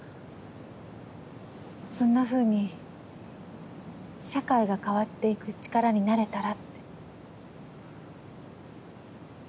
そんなふうに社会が変わっていく力になれたらって。